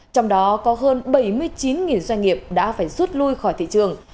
trong đó có hơn bảy mươi chín doanh nghiệp đã phải rút lui khỏi thị trường